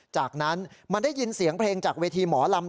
จากนั้นมันได้ยินเสียงเพลงจากเวทีหมอลำ